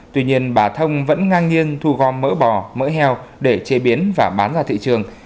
tuy nhiên bà thông vẫn ngang nhiên thu gom mỡ bò mỡ heo để chế biến và bán ra thị trường